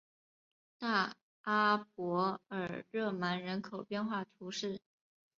大阿伯尔热芒人口变化图示